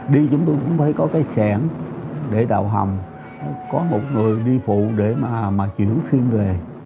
đi chúng tôi cũng phải có cái sản để đào hầm có một người đi phụ để mà chuyển phim về